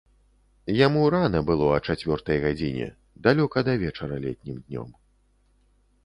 Яму рана было а чацвёртай гадзіне, далёка да вечара летнім днём.